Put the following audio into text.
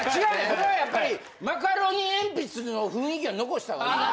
これはやっぱりマカロニえんぴつの雰囲気は残した方がいい。